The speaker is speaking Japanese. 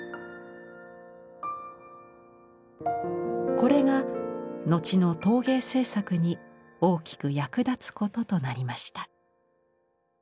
これが後の陶芸制作に大きく役立つこととなりました。